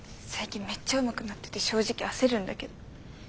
最近めっちゃうまくなってて正直焦るんだけど。